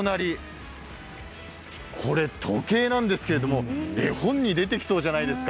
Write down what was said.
隣、時計なんですけど絵本に出てきそうじゃないですか。